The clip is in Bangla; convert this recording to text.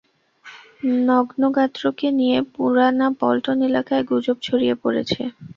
নগ্নগাত্রকে নিয়ে পুরানা পল্টন এলাকায় গুজব ছড়িয়ে পড়েছে।